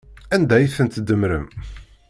Anda ay ten-tdemmrem?